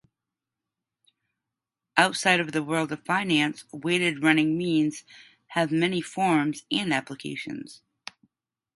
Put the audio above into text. Outside the world of finance, weighted running means have many forms and applications.